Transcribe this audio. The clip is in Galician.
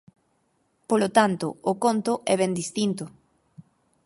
Polo tanto, o conto é ben distinto.